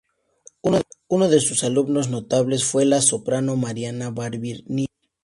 Uno de sus alumnos notables fue la soprano Marianna Barbieri-Nini.